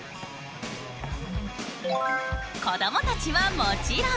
子どもたちはもちろん。